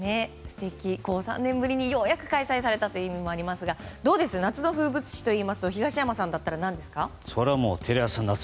３年ぶりにようやく開催されたという意味もありますが夏の風物詩といいますと東山さんだったら何ですか？